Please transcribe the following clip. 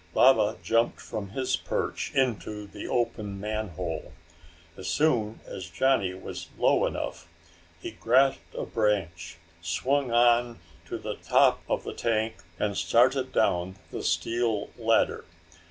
Baba jumped from his perch into the open manhole. As soon as Johnny was low enough, he grasped a branch, swung on to the top of the tank, and started down the steel ladder.